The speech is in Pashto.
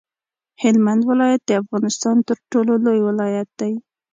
هلمند ولایت د افغانستان تر ټولو لوی ولایت دی.